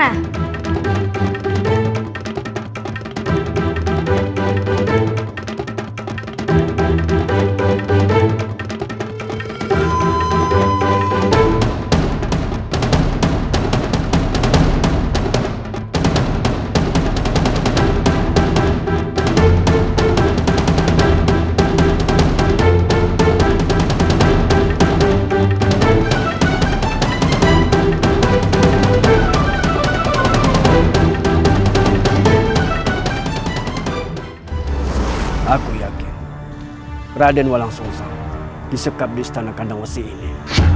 aku yakin raden walang sosa disekap di istana kandang wasi ini